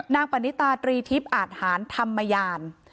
ปณิตาตรีทิพย์อาจหารธรรมยาน